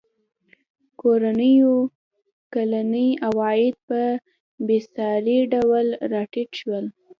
کورنیو کلني عواید په بېساري ډول راټیټ شول.